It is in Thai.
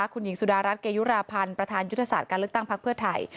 คุณหญิงสุดารัฐเกยุราพันธ์ประธานยุทธศาสตร์การเลือกตั้งพักเพื่อไทย